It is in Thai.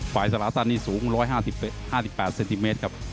สลาตันนี่สูง๑๕๘เซนติเมตรครับ